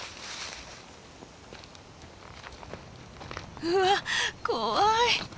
うわっ怖い。